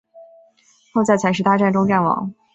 后在采石大战中战亡。